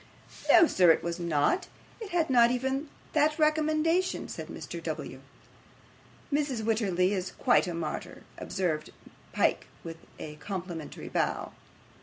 'No, sir, it was not. It had not even that recommendation,' said Mr. W. 'Mrs. Wititterly is quite a martyr,' observed Pyke, with a complimentary bow.